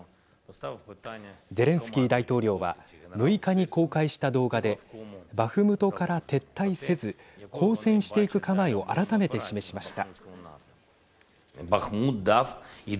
ゼレンスキー大統領は６日に公開した動画でバフムトから撤退せず抗戦していく構えを改めて示しました。